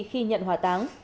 khi nhận hỏa táng